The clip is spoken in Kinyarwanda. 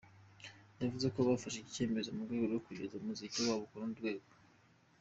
Bavuze ko bafashe iki cyemezo mu rwego rwo kugeza umuziki wabo ku rundi rwego.